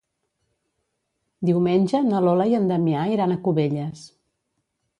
Diumenge na Lola i en Damià iran a Cubelles.